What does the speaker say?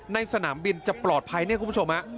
สนามบินจะปลอดภัยเนี่ยคุณผู้ชมฮะ